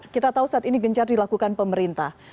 kita tahu saat ini gencar dilakukan pemerintah